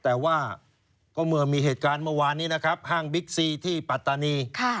แต่ว่าก็เมื่อมีเหตุการณ์เมื่อวานนี้นะครับห้างบิ๊กซีที่ปัตตานี